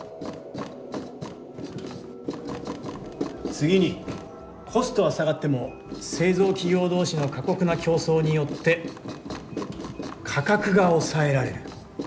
次にコストは下がっても製造企業同士の過酷な「競争」によって価格が抑えられる。